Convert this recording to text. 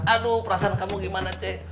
aduh perasaan kamu gimana cek